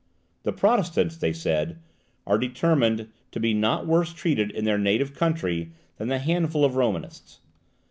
"The Protestants," they said, "are determined to be not worse treated in their native country than the handful of Romanists.